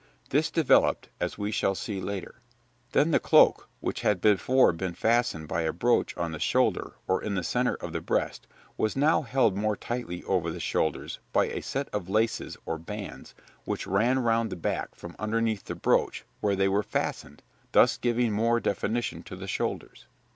This developed, as we shall see later. [Illustration: {A woman of the time of William II.}] Then the cloak, which had before been fastened by a brooch on the shoulder or in the centre of the breast, was now held more tightly over the shoulders by a set of laces or bands which ran round the back from underneath the brooch where they were fastened, thus giving more definition to the shoulders.